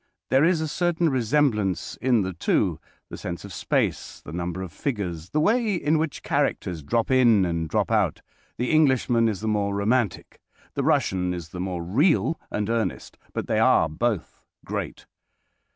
There is a certain resemblance in the two—the sense of space, the number of figures, the way in which characters drop in and drop out. The Englishman is the more romantic. The Russian is the more real and earnest. But they are both great.